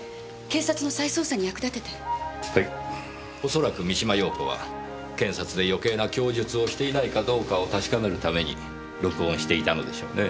恐らく三島陽子は検察で余計な供述をしていないかどうかを確かめるために録音していたのでしょうね。